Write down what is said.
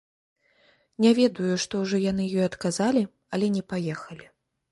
Не ведаю, што ўжо яны ёй адказалі, але не паехалі.